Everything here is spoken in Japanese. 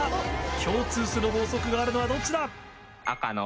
共通する法則があるのはどっちだ？